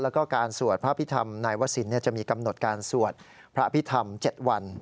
แล้วก็การสวดพระพิธรรมนายวศิลป์จะมีกำหนดการสวดพระพิธรรม๗วัน